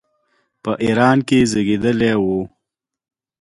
په ایران کې زېږېدلی وو.